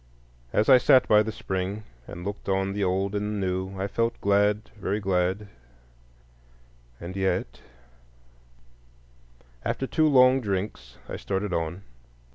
As I sat by the spring and looked on the Old and the New I felt glad, very glad, and yet— After two long drinks I started on.